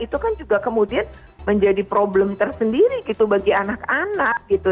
itu kan juga kemudian menjadi problem tersendiri gitu bagi anak anak gitu